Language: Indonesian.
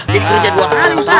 jadi kerja dua kali ustaz